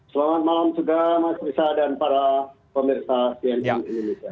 selamat malam juga mas bisa dan para pemirsa tni nid